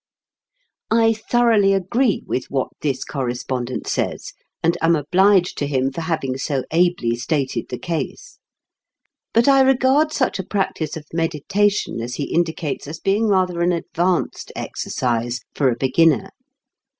I thoroughly agree with what this correspondent says, and am obliged to him for having so ably stated the case. But I regard such a practice of meditation as he indicates as being rather an "advanced" exercise for a beginner.